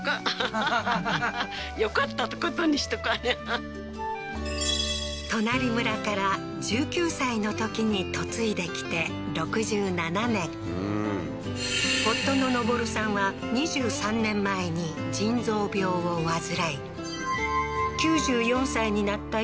はっ隣村から１９歳のときに嫁いできて６７年夫の登さんは２３年前に腎臓病を患い９４歳になった